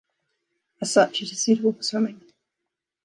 As such, it is suitable for swimming.